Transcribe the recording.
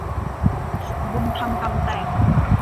บุญทำกรรมแต่ง